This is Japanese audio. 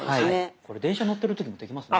これ電車に乗ってる時もできますね。